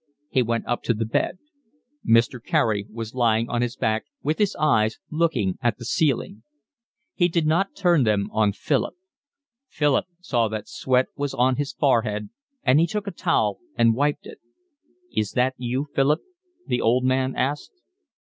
He went up to the bed. Mr. Carey was lying on his back, with his eyes looking at the ceiling; he did not turn them on Philip. Philip saw that sweat was on his forehead, and he took a towel and wiped it. "Is that you, Philip?" the old man asked.